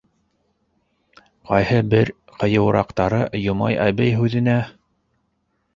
Ҡайһы бер ҡыйыуыраҡтары Йомай әбей һүҙенә: